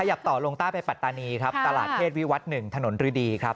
ขยับต่อลงต้าไปปัตตานีตลาดเทศวิวัตน์๑ถนนฤดี